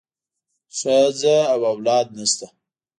ښځه او اولاد نشته.